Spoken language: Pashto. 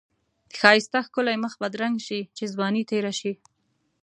ښایسته ښکلی مخ بدرنګ شی چی ځوانی تیره شی.